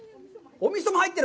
お味噌も入ってる！